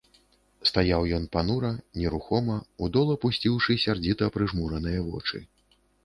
Стаяў ён панура, нерухома, у дол апусціўшы сярдзіта прыжмураныя вочы.